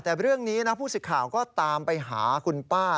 แต่เรื่องนี้นะผู้สิทธิ์ข่าวก็ตามไปหาคุณป้า